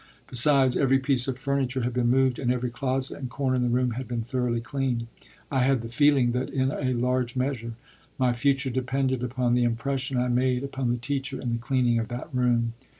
Besides, every piece of furniture had been moved and every closet and corner in the room had been thoroughly cleaned. I had the feeling that in a large measure my future depended upon the impression I made upon the teacher in the cleaning of that room.